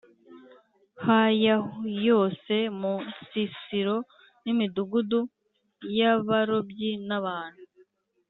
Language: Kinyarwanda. ha ya yose mu nsisiro n imidugudu y abarobyi n abantu